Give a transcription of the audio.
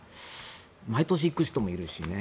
毎年行く人もいるしね。